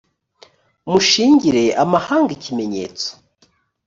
mushingire amahanga ikimenyetso